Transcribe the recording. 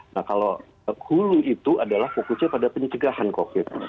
nah kalau hulu itu adalah fokusnya pada pencegahan covid